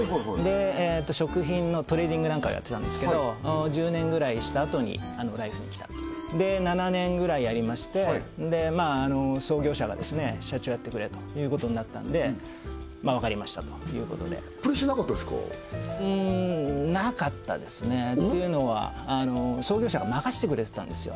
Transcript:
で食品のトレーディングなんかをやってたんですけど１０年ぐらいしたあとにライフに来たとで７年ぐらいやりまして創業者がですね社長やってくれということになったんで分かりましたということでプレッシャーなかったですかうんなかったですねというのは創業者が任せてくれてたんですよ